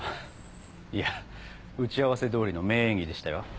いや打ち合わせ通りの名演技でしたよ。